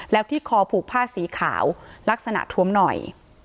แล้วที่คอผูกผ้าสีขาวลักษณะท้วมหน่อย